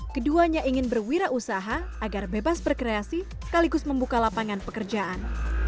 keduanya ingin berwirausaha agar bebas berkreasi sekaligus membuka lapangan pekerjaan